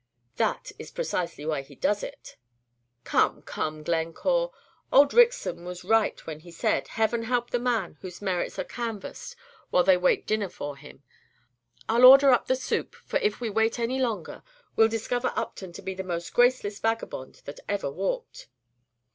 "That is precisely why he does it." "Come, come, Glencore; old Rixson was right when he said, 'Heaven help the man whose merits are canvassed while they wait dinner for him.' I 'll order up the soup, for if we wait any longer we 'll discover Upton to be the most graceless vagabond that ever walked."